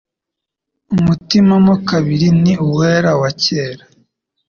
Umutima mo kabiri ni uwera, wa kera;